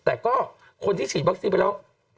แต่ก็คนที่ฉีดวัคซีนไปแล้ว